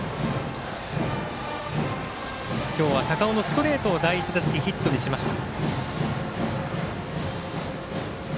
今日は高尾のストレートを第１打席ヒットにしました。